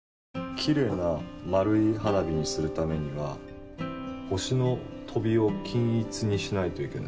きれいな丸い花火にするためには星の飛びを均一にしないといけない。